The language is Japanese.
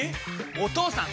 お義父さん！